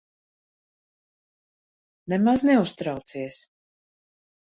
Nemaz neuztraucies.